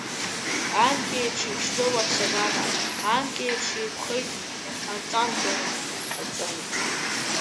Анкьеиԥш, иԥшӡоуп аԥсабара, анкьеиԥш, еиқәхеит аҵангәара.